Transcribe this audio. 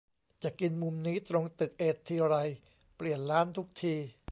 จะกินมุมนี้ตรงตึกเอททีไร เปลี่ยนร้านทุกที